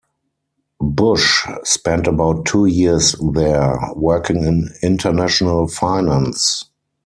Bush spent about two years there, working in international finance.